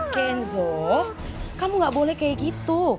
kenzo kamu gak boleh kayak gitu